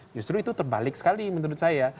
justru itu terbalik sekali menurut saya